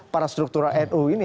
para struktural nu ini